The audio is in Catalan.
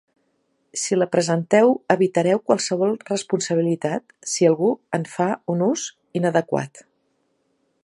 Si la presenteu evitareu qualsevol responsabilitat si algú en fa un ús inadequat.